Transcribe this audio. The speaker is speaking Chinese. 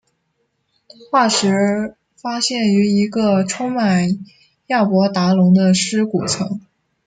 化石发现于一个充满亚伯达龙的尸骨层。